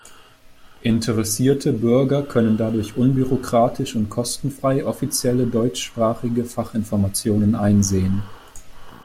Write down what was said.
Interessierte Bürger können dadurch unbürokratisch und kostenfrei offizielle deutschsprachige Fachinformationen einsehen.